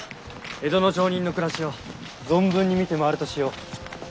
江戸の町人の暮らしを存分に見て回るとしよう。